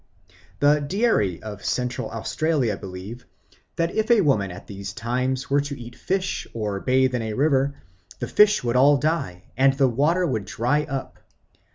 The Dieri of Central Australia believe that if women at these times were to eat fish or bathe in a river, the fish would all die and the water would dry up.